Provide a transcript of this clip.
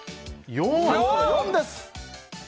４です。